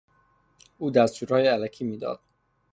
او دستورهای الکی میداد.